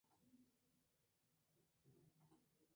Actualmente se representa muy rara vez.